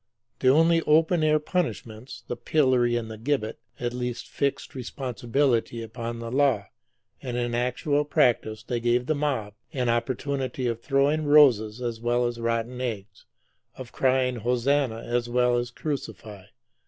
The old open air punishments, the pillory and the gibbet, at least fixed responsibility upon the law; and in actual practice they gave the mob an opportunity of throwing roses as well as rotten eggs; of crying "Hosannah" as well as "Crucify."